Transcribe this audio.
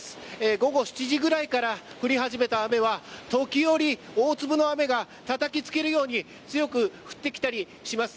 午後７時ぐらいから降り始めた雨は時折、大粒の雨がたたきつけるように強く降ってきたりします。